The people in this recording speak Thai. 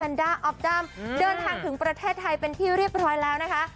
ด้านออฟดัมเดินทางถึงประเทศไทยเป็นที่เรียบร้อยแล้วนะคะ